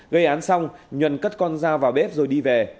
gây án xong nhuần cất con dao vào bếp rồi đi về